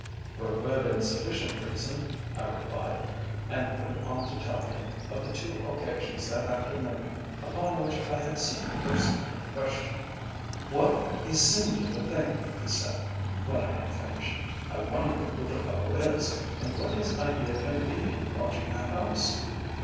"For a good and sufficient reason," I replied, and went on to tell him of the two occasions that afternoon upon which I had seen the person in question. "What a singular thing!" he said, when I had finished. "I wonder who the fellow is, and what his idea can be in watching the house?